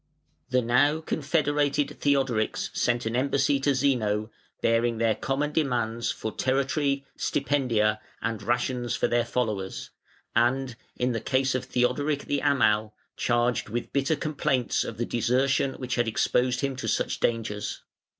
The now confederated Theodorics sent an embassy to Zeno, bearing their common demands for territory, stipendia and rations for their followers, and, in the case of Theodoric the Amal, charged with bitter complaints of the desertion which had exposed him to such dangers.